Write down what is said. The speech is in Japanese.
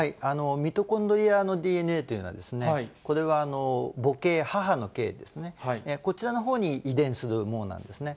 ミトコンドリアのＤＮＡというのは、これは母系、母の系ですね、こちらのほうに遺伝するものなんですね。